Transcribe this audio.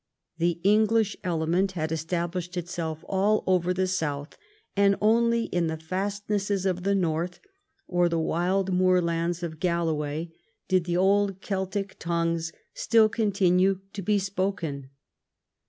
The English element had established itself all over the south, and only in the fastnesses of the north or the wild moorlands of Galloway did the old Celtic tongiies still continue to be spoken.